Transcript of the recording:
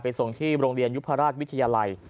ส่งที่โรงเรียนยุพราชวิทยาลัย